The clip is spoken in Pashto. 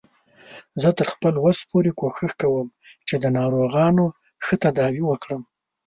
زه تر خپل وس پورې کوښښ کوم چې د ناروغانو ښه تداوی وکړم